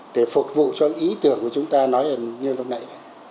để phục vụ cho ý tưởng của chúng ta nói như lúc nãy